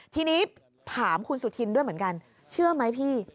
ทีนี้ถามคุณสุธินด้วยเหมือนกันเชื่อไหมพี่